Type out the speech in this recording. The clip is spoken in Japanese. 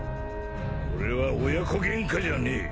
これは親子ゲンカじゃねえ。